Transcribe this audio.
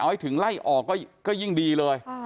ให้ถึงไล่ออกก็ยิ่งดีเลย